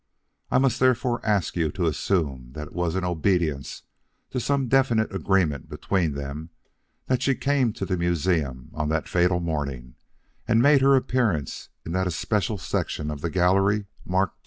I must therefore ask you to assume that it was in obedience to some definite agreement between them that she came to the museum on that fatal morning and made her appearance in that especial section of the gallery marked II.